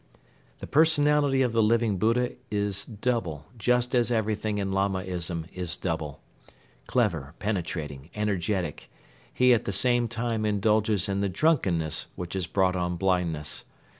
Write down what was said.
The personality of the Living Buddha is double, just as everything in Lamaism is double. Clever, penetrating, energetic, he at the same time indulges in the drunkenness which has brought on blindness.